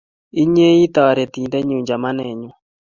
Inye ii taretindenyu chamanenyu